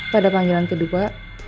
pada panggilan kedua